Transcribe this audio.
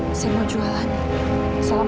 tunggu sejauhmu sudah tersayang